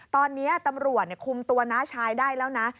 ตอนนี้ตำรวจคุมตัวน้าชายได้แล้วนะ